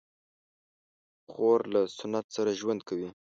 خور له سنت سره ژوند کوي.